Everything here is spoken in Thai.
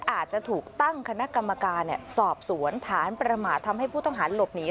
อาจจะถูกตั้งคณะกรรมการสอบสวนฐานประมาททำให้ผู้ต้องหาหลบหนี